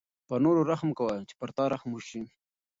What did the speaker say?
پر نورو رحم کوه چې په تا رحم وشي.